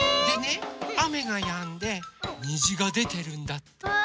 でねあめがやんでにじがでてるんだって。